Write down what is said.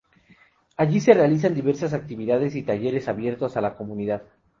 Allí, se realizan diversas actividades y talleres abiertos a la comunidad.